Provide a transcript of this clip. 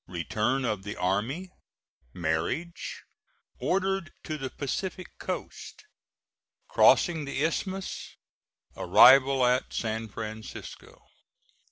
RETURN OF THE ARMY MARRIAGE ORDERED TO THE PACIFIC COAST CROSSING THE ISTHMUS ARRIVAL AT SAN FRANCISCO.